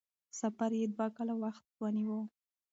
سفر یې دوه کاله وخت ونیو.